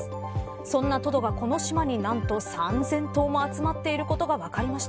そんなトドが、この島に何と３０００頭も集まっていることが分かりました。